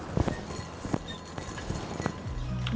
supaya isi makanan atau uang sudah ada di lamp ember tidak jatuh